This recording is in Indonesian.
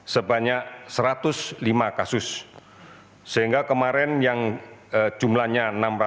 sebanyak satu ratus lima kasus sehingga kemarin yang jumlannya enam ratus delapan puluh lima